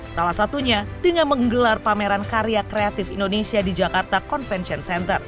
salah satunya dengan menggelar pameran karya kreatif indonesia di jakarta convention center